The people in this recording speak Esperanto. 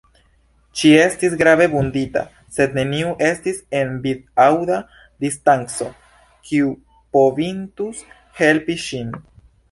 Ŝi estis grave vundita, sed neniu estis en vid-aŭda distanco, kiu povintus helpi ŝin.